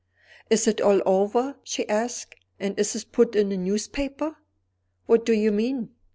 "Is it all over?" she asked. "And is it put in the newspaper?" "What do you mean?"